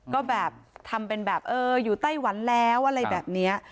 ก็แบบทำเป็นแบบเอออยู่ไต้หวันแล้วอะไรแบบนี้